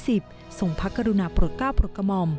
ส่งพระกรุณาปลดก้าวปลดกระหม่อม